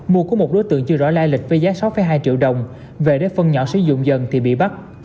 mua của một đối tượng chưa rõ lai lịch với giá sáu hai triệu đồng về để phân nhỏ sử dụng dần thì bị bắt